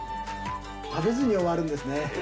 食べずに終わるんですね。